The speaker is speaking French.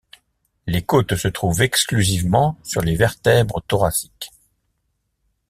Les côtes se trouvent exclusivement sur les vertèbres thoraciques.